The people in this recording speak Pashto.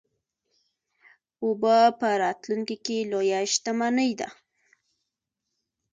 اوبه په راتلونکي کې لویه شتمني ده.